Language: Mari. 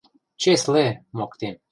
— Чесле! — моктем.